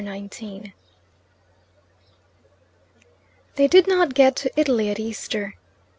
XIX They did not get to Italy at Easter.